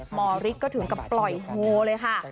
หมอฤทธิ์ก็ถึงกับปล่อยโฮเลยค่ะ